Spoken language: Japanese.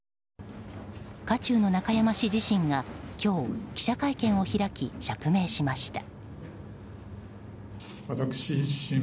渦中の中山氏自身が今日、記者会見を開き釈明しました。